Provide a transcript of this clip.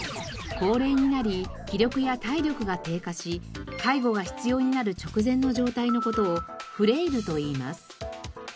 高齢になり気力や体力が低下し介護が必要になる直前の状態の事をフレイルといいます。